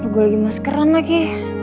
gue lagi maskeran lagi